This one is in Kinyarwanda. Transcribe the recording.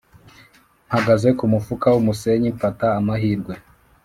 mpagaze kumufuka wumusenyi mfata amahirwe;